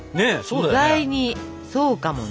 意外にそうかもね。